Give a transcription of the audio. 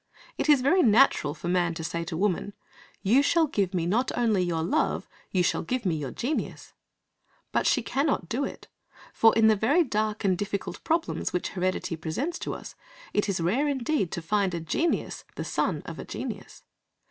It is very natural for man to say to woman, "You shall give me not only your love, you shall give me your genius"; but she cannot do it, for in the very dark and difficult problems which heredity presents to us, it is rare indeed to find a genius the son of a genius.